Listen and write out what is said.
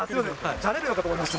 じゃれるのかと思いました。